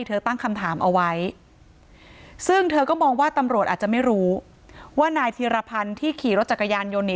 ตั้งคำถามเอาไว้ซึ่งเธอก็มองว่าตำรวจอาจจะไม่รู้ว่านายธีรพันธ์ที่ขี่รถจักรยานยนต์หนี